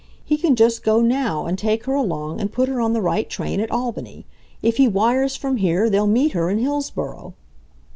He can just go now, and take her along and put her on the right train at Albany. If he wires from here, they'll meet her in Hillsboro."